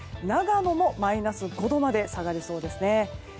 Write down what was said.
長野もマイナス５度まで下がりそうですね。